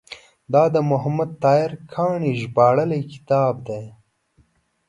دا د محمد طاهر کاڼي ژباړلی کتاب دی.